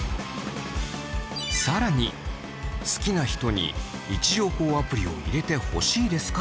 更に好きな人に位置情報アプリを入れてほしいですか？